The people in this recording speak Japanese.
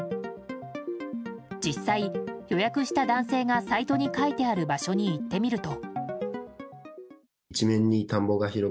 実際、予約した男性がサイトに書いてある場所に行ってみると。